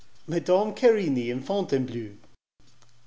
"Madame Querini in Fontainebleau?"